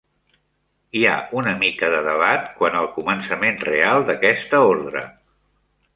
Hi ha una mica de debat quant al començament real d'aquesta Ordre.